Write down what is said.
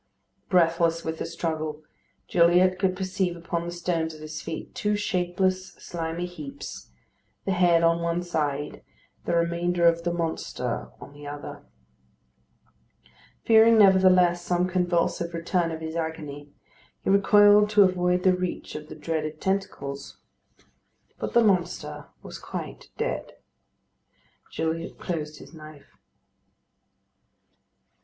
Breathless with the struggle, Gilliatt could perceive upon the stones at his feet two shapeless, slimy heaps, the head on one side, the remainder of the monster on the other. Fearing, nevertheless, some convulsive return of his agony, he recoiled to avoid the reach of the dreaded tentacles. But the monster was quite dead. Gilliatt closed his knife.